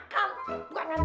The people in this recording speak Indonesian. bukan nganggap duitnya gitu lah